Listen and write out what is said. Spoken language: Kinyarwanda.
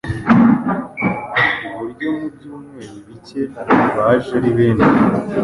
ku buryo mu byumweru bike baje ari benshi